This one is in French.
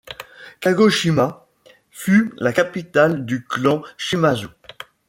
Kagoshima fut la capitale du clan Shimazu.